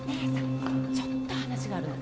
ちょっと話があるの。